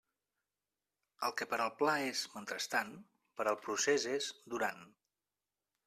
El que per al pla és «mentrestant», per al procés és «durant».